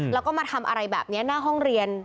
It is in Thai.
แล้วก็มาทำอะไรแบบนี้หน้าห้องเรียน